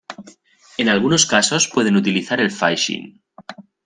En algunos casos pueden utilizar el phishing.